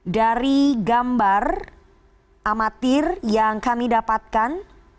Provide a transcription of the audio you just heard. dari gambar amatir yang kami dapatkan